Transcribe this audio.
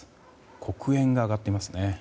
黒煙が上がっていますね。